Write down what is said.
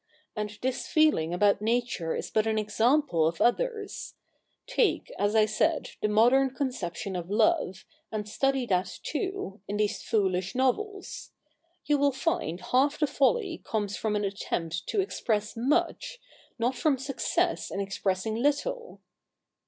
And this feeling about Nature is but an example of others. Take, as I said, the modern conception of love, and study that too, in these foolish CH. ii] THE NEW REPUBLIC 213 novels. You will find half the folly comes from an attempt to express much, not from success in expressing little.'